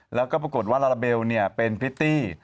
แล้วก็ปรากฏว่าลาลาเบลเป็นพริตตี้